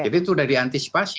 jadi itu sudah diantisipasi